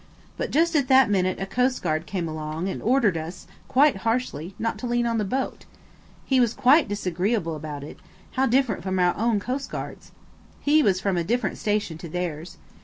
but just at that minute a coastguard came along and ordered us quite harshly not to lean on the boat. He was quite disagreeable about it–how different from our own coastguards! He was from a different station to theirs.